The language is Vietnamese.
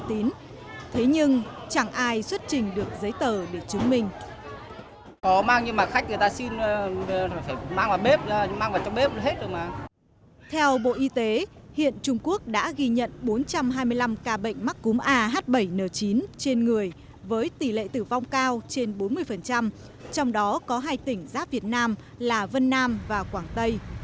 trong đó có hai tỉnh giáp việt nam là vân nam và quảng tây